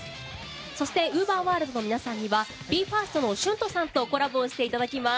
そしてＵＶＥＲｗｏｒｌｄの皆さんにはＢＥ：ＦＩＲＳＴのＳＨＵＮＴＯさんとコラボしていただきます。